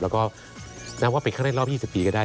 แล้วก็น่าว่าเป็นครั้งแรกรอบ๒๐ปีก็ได้